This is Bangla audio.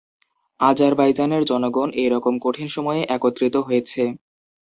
আজারবাইজানের জনগণ এইরকম কঠিন সময়ে একত্রিত হয়েছে।